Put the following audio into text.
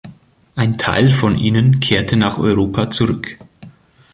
Ein Teil von ihnen kehrte nach Europa zurück.